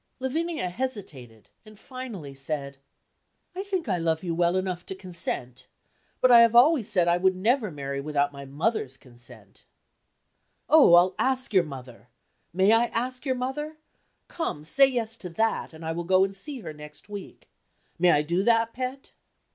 Lavinia hesitated, and finally said: "I think I love you well enough to consent, but I have always said I would never marry without my mother's consent." "Oh! I'll ask your mother. May I ask your mother? Come, say yes to that, and I will go and see her next week. May I do that, pet?"